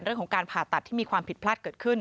เรื่องของการผ่าตัดที่มีความผิดพลาดเกิดขึ้น